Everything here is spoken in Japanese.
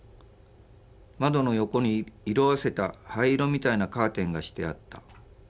窓の横に色あせた灰色みたいなカーテンがしてあった。